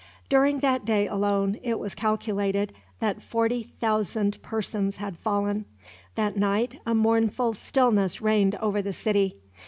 During that day, alone, it was calculated that forty thousand persons had fallen. That night a mournful stillness reigned over the city.